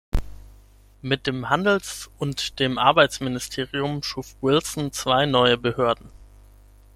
Mit dem Handels- und dem Arbeitsministerium schuf Wilson zwei neue Behörden.